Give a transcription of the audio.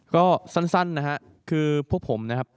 ก็สั้นนะฮะคือพวกผมนะครับ